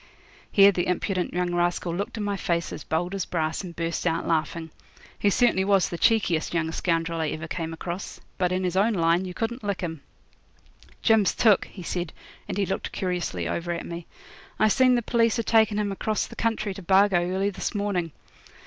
Here the impudent young rascal looked in my face as bold as brass and burst out laughing. He certainly was the cheekiest young scoundrel I ever came across. But in his own line you couldn't lick him. 'Jim's took,' he said, and he looked curiously over at me. 'I seen the p'leece a takin' him across the country to Bargo early this morning.